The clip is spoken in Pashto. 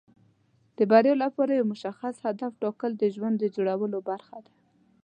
د بریا لپاره یو مشخص هدف ټاکل د ژوند د جوړولو برخه ده.